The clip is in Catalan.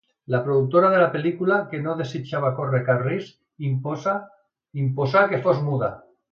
La productora de la pel·lícula, que no desitjava córrer cap risc, imposà que fos muda.